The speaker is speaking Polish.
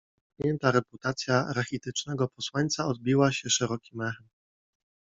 Nadszarpnięta reputacja rachitycznego posłańca odbiła się szerokim echem.